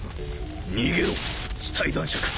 逃げろ死体男爵。